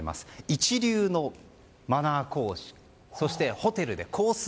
一流のマナー講師、そしてホテルでコース